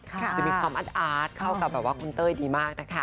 จะมีความอัดเข้ากับแบบว่าคุณเต้ยดีมากนะคะ